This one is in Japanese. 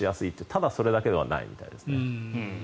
ただ、それだけではないみたいです。